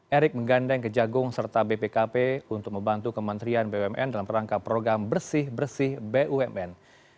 erick menggandeng kejagung serta bpkp untuk membantu kementerian bumn dalam rangka program bersih bersih bumn